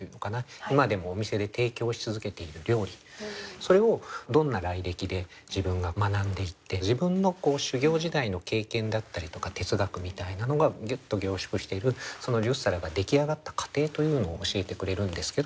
それをどんな来歴で自分が学んでいって自分の修業時代の経験だったりとか哲学みたいなのがギュッと凝縮しているその十皿が出来上がった過程というのを教えてくれるんですけど。